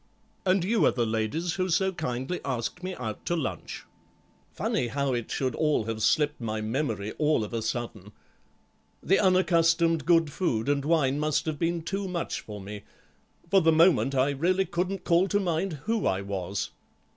And you are the ladies who so kindly asked me out to lunch. Funny how it should all have slipped my memory, all of a sudden. The unaccustomed good food and wine must have been too much for me; for the moment I really couldn't call to mind who I was.